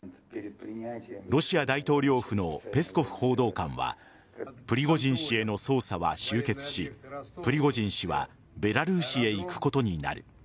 ロシア大統領府のペスコフ報道官はプリゴジン氏への捜査は終結しプリゴジン氏はベラルーシへ行くことになる。